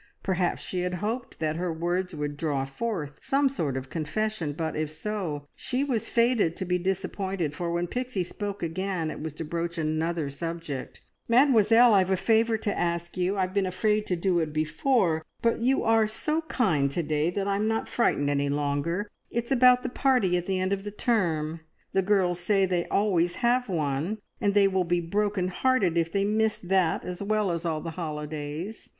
Perhaps she had hoped that her words would draw forth some sort of confession, but, if so, she was fated to be disappointed, for when Pixie spoke again it was to broach another subject. "Mademoiselle, I've a favour to ask you! I've been afraid to do it before, but you are so kind to day that I'm not frightened any longer. It's about the party at the end of the term. The girls say they always have one, and they will be broken hearted if they miss that as well as all the holidays.